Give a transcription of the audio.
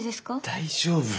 大丈夫。